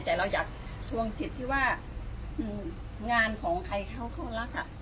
แต่เราอยากทวงสิทธิ์ที่ว่างานของใครเขาก็รัก